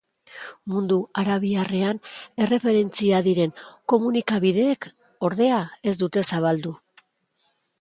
Mundu arabiarrean erreferentzia diren komunikabideek, ordea, ez dute zabaldu.